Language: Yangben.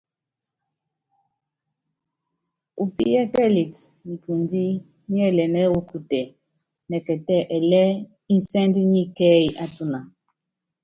Upíyɛ́kɛlɛt nipundí niɛ́lɛnɛ́ wɔ́ kutɛ nɛkɛtɛ́ ɛlɛɛ́ insɛ́nd nyɛ kɛ́ɛ́y á tuna.